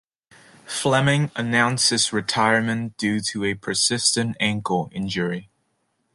Fleming announced his retirement due to a persistent ankle injury.